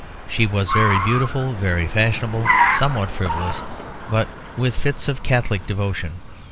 She was very beautiful, very fashionable, somewhat frivolous, but with fits of Catholic devotion.